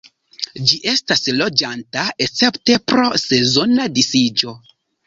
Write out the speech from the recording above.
Ĝi estas loĝanta escepte pro sezona disiĝo.